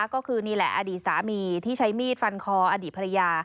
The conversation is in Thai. ก็คือนี่แหละอดีตสามีที่ใช้มีดฟันคออดีตภรรยา